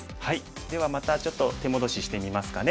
ではまたちょっと手戻ししてみますかね。